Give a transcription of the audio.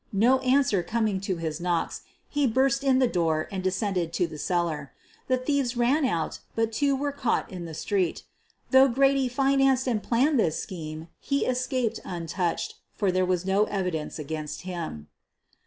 No answer coming to his knocks, he burst in the door and descended to the cellar. The thieves ran out, but two were caught in the street. Though Grady financed and planned this scheme, he escaped untouched, for there was no evidence against him.